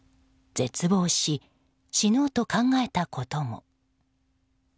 絶望し、死のうと考えたことも。